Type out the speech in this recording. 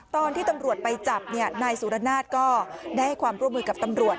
ตอนที่ตำรวจไปจับนายสุรนาศก็ได้ให้ความร่วมมือกับตำรวจ